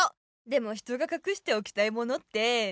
でも人がかくしておきたいものって。